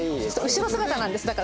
後ろ姿なんですだから。